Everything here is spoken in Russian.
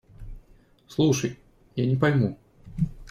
Слушай… Я не пойму.